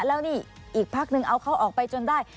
แล้วนี่อีกพักนึงเอาเขาออกไปจนได้